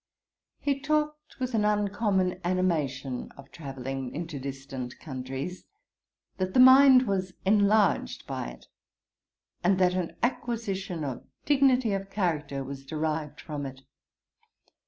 He talked with an uncommon animation of travelling into distant countries; that the mind was enlarged by it, and that an acquisition of dignity of character was derived from it.